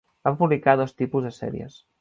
Va publicar dos tipus de sèries.